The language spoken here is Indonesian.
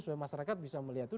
supaya masyarakat bisa melihat itu